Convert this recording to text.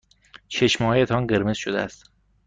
چشمهایتان قرمز شده است.